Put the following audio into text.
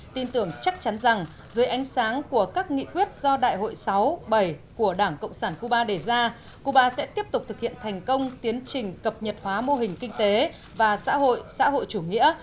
tin tưởng chắc chắn rằng dưới ánh sáng của các nghị quyết do đại hội sáu bảy của đảng cộng sản cuba đề ra cuba sẽ tiếp tục thực hiện thành công tiến trình cập nhật hóa mô hình kinh tế và xã hội xã hội chủ nghĩa